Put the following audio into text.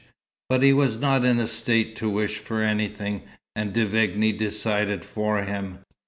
But he was not in a state to wish for anything, and De Vigne decided for him.